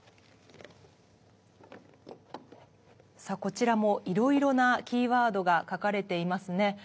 さあこちらも色々なキーワードが書かれていますね。